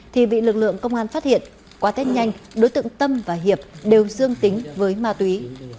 thì bị lực lượng công an phát hiện qua tết nhanh đối tượng tâm và hiệp đều dương tính với ma túy